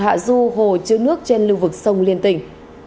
hạ du hồ chữa nước trên lưu vực sông liên tình